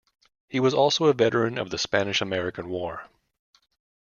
He was also a veteran of the Spanish-American War.